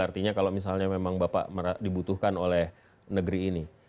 artinya kalau misalnya memang bapak dibutuhkan oleh negeri ini